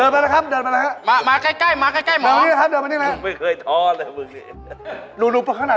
มาลูกมา